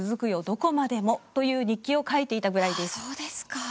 どこまでも」という日記を書いていたぐらいです。